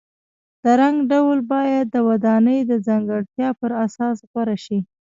د رنګ ډول باید د ودانۍ د ځانګړتیاو پر اساس غوره شي.